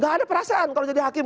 gak ada perasaan kalau jadi hakim